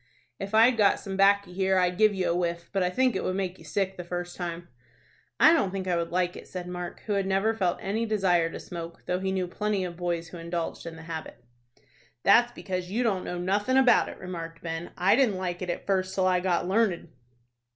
"If I'd got some 'baccy here, I'd give you a whiff; but I think it would make you sick the first time." "I don't think I should like it," said Mark, who had never felt any desire to smoke, though he knew plenty of boys who indulged in the habit. "That's because you don't know nothin' about it," remarked Ben. "I didn't like it at first till I got learned."